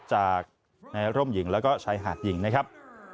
จากในร่มหญิงแล้วก็ชายหาดหญิงนะครับ